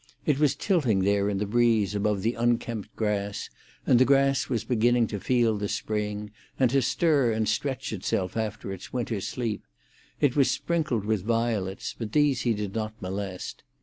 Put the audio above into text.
It was tilting there in the breeze above the unkempt grass, and the grass was beginning to feel the spring, and to stir and stretch itself after its winter sleep; it was sprinkled with violets, but these he did not molest.